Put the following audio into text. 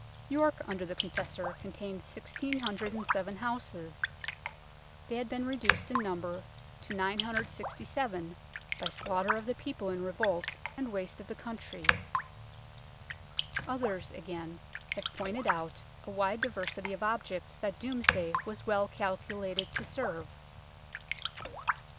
York under the Confessor contained 1607 houses ; they had been reduced in number to 967 by slaughter of the people in revolt and waste of the country. Others, again, have pointed out a wide diversity of objects that Domesday was well calculated to serve 1.